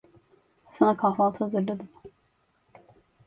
Sana kahvaltı hazırladım.